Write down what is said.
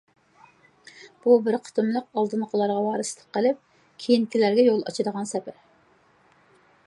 بۇ بىر قېتىملىق ئالدىنقىلارغا ۋارىسلىق قىلىپ كېيىنكىلەرگە يول ئاچىدىغان سەپەر.